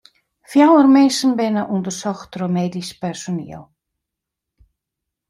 Fjouwer minsken binne ûndersocht troch medysk personiel.